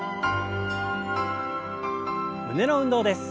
胸の運動です。